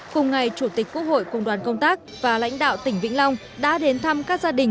cùng ngày chủ tịch quốc hội cùng đoàn công tác và lãnh đạo tỉnh vĩnh long đã đến thăm các gia đình